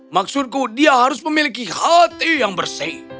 maksudku dia harus memiliki hati yang bersih